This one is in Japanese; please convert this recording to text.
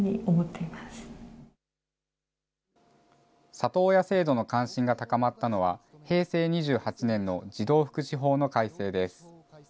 里親制度の関心が高まったのは、平成２８年の児童福祉法の改正です。